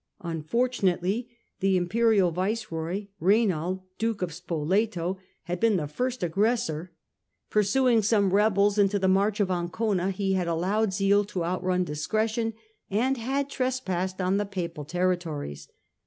Unfortunately the Imperial Viceroy, Raynald, Duke of Spoleto, had been the first 102 STUPOR MUNDI aggressor. Pursuing some rebels into the March of Ancona, he had allowed zeal to outrun discretion, and had trespassed on the Papal territories.